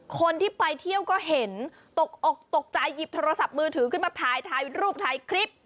คนที่ไปเที่ยวก็เห็นตกอกตกใจหยิบโทรศัพท์มือถือขึ้นมาถ่ายรูปถ่ายคลิป